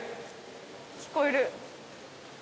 ・聞こえる。